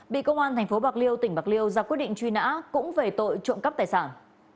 bị công an tp bạc liêu tỉnh bạc liêu ra quyết định truy nã cũng về tội trộm cắp tài sản